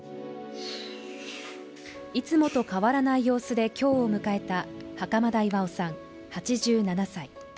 いつもと変わらない様子で今日を迎えた袴田巖さん８７歳。